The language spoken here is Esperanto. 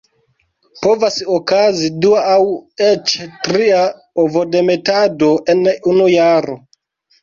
Povas okazi dua aŭ eĉ tria ovodemetado en unu jaro.